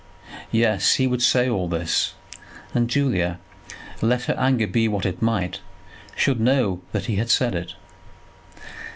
Yes! he would say all this, and Julia, let her anger be what it might, should know that he had said it.